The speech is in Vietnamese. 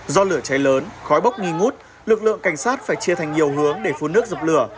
do lửa cháy lớn khói bốc nghi ngút lực lượng cảnh sát phải chia thành nhiều hướng để phun nước dập lửa